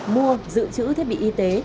mua dự trữ thiết bị y tế